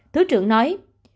thứ trưởng nói